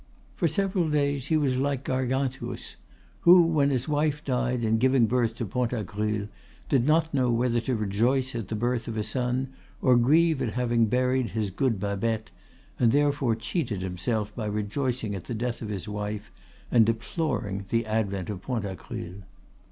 For several days he was like Gargantus, who, when his wife died in giving birth to Pantagruel, did not know whether to rejoice at the birth of a son or grieve at having buried his good Babette, and therefore cheated himself by rejoicing at the death of his wife, and deploring the advent of Pantagruel.